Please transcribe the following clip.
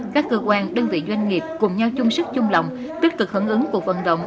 các cơ quan đơn vị doanh nghiệp cùng nhau chung sức chung lòng tích cực hưởng ứng cuộc vận động